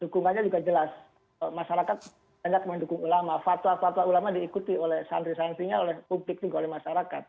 dukungannya juga jelas masyarakat banyak mendukung ulama fatwa fatwa ulama diikuti oleh santri santrinya oleh publik juga oleh masyarakat